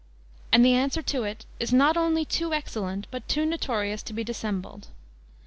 And the answer to it is not only too excellent but too notorious to be dissembled.~.